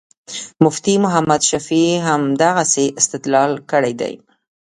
مفتي محمد شفیع همدغسې استدلال کړی دی.